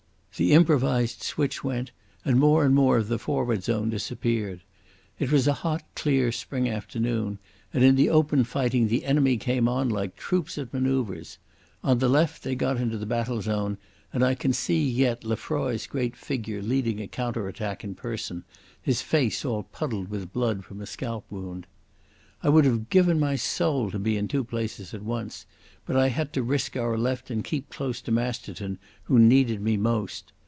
The improvised switch went, and more and more of the forward zone disappeared. It was a hot, clear spring afternoon, and in the open fighting the enemy came on like troops at manœuvres. On the left they got into the battle zone, and I can see yet Lefroy's great figure leading a counter attack in person, his face all puddled with blood from a scalp wound.... I would have given my soul to be in two places at once, but I had to risk our left and keep close to Masterton, who needed me most.